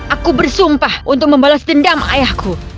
aku bersumpah untuk membalas dendam ayahku